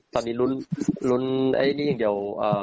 ตอนนี้รุนยังเดียว